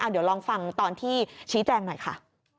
เดี๋ยวลองฟังตอนที่ชี้แจงหน่อยค่ะ